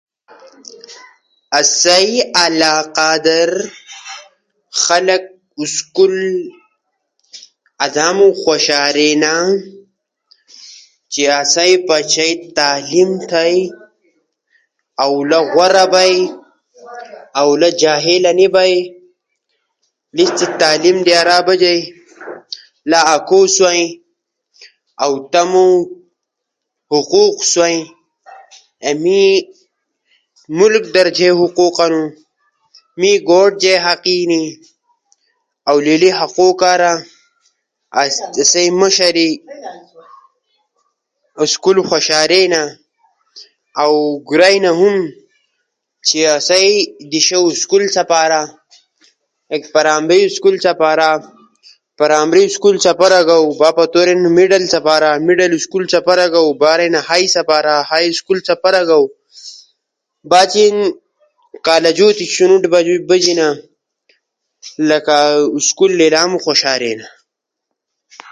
چہ آسئی بچئی تعلیم در تھئی اؤ لگ غورا بئی علاقہ در خلگ اسکول ادھم خوشارینا